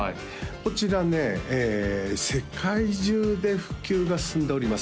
こちらね世界中で普及が進んでおります